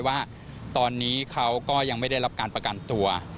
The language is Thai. ว่าตอนนี้เขาก็ยังไม่ได้รับการประกันตัว